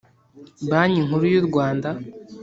Banki nkuru y’urwanda